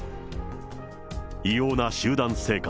異様な集団生活。